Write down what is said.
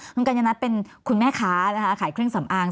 คุณกัญญนัทเป็นคุณแม่ค้านะคะขายเครื่องสำอาง